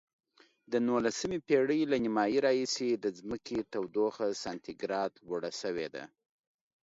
د نولسمې پیړۍ له نیمایي راهیسې د ځمکې تودوخه سانتي ګراد لوړه شوې ده.